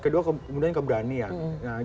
kedua kemudian keberanian